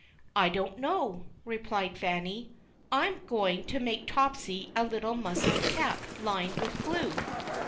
" I don't know," replied Fanny ;" I am going to make Topsy a little muslin cap lined with blue."